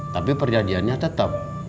tapi perjanjiannya tetap